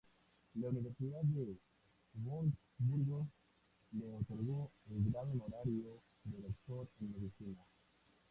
La Universidad de Wurzburgo le otorgó el grado honorario de Doctor en Medicina.